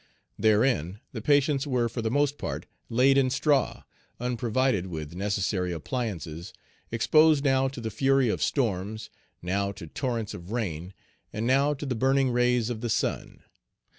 Therein the patients were for the most part laid in straw, unprovided with necessary appliances, exposed now to the fury of storms, now to torrents of rain, and now to the burning rays of the sun.